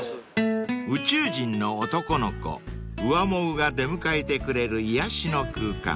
［宇宙人の男の子ウアモウが出迎えてくれる癒やしの空間］